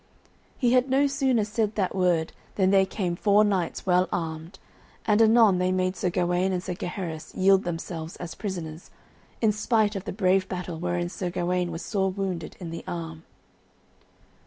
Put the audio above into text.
He had no sooner said that word than there came four knights well armed, and anon they made Sir Gawaine and Gaheris yield themselves as prisoners, in spite of the brave battle wherein Sir Gawaine was sore wounded in the arm.